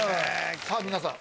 さぁ皆さん